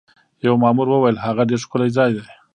یوه مامور وویل: هغه ډېر ښکلی ځای دی.